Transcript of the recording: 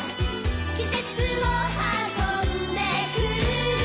「季節を運んでくる」